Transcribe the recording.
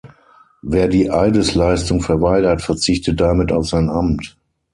Wer die Eidesleistung verweigert, verzichtet damit auf sein Amt.